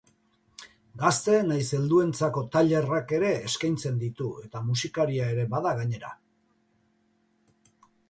Gazte nahiz helduentzako tailerrak ere eskaintzen ditu, eta musikaria ere bada gainera.